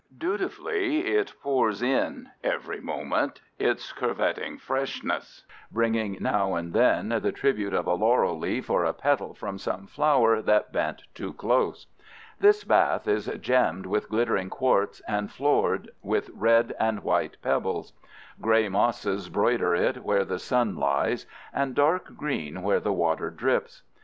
Dutifully it pours in every moment its curveting freshness, bringing now and then the tribute of a laurel leaf or a petal from some flower that bent too close. This bath is gemmed with glittering quartz and floored with red and white pebbles. Gray mosses broider it where the sun lies, and dark green where the water drips.